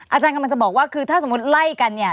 อาจารย์กำลังจะบอกว่าคือถ้าสมมุติไล่กันเนี่ย